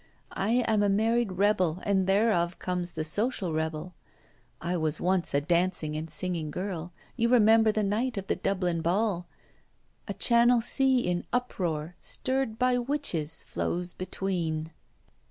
I am a married rebel, and thereof comes the social rebel. I was once a dancing and singing girl: You remember the night of the Dublin Ball. A Channel sea in uproar, stirred by witches, flows between.'